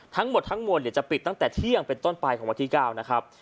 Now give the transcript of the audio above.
ทั้งหมดทั้งมวลจะปิดตั้งแต่เที่ยงเป็นต้นไปของวันที่๙นะครับ